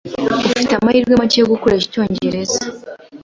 Dufite amahirwe make yo gukoresha icyongereza.